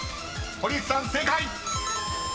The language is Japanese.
［堀内さん正解］